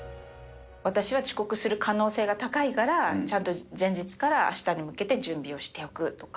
私は遅刻する可能性が高いから、ちゃんと前日からあしたに向けて準備をしておくとか。